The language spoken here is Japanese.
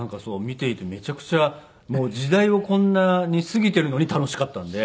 見ていてめちゃくちゃ時代をこんなに過ぎているのに楽しかったんで。